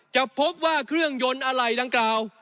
จะพบว่าเครื่องยนต์อะไรดังกล่าว